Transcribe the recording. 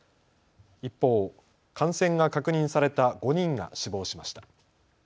一方、感染が確認された５人が死亡しました。